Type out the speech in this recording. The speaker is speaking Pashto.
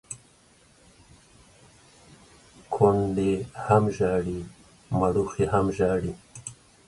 کونډي هم ژاړي ، مړوښې هم ژاړي.